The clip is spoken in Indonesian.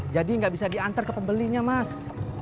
jadi nggak bisa diantar ke pembelinya mas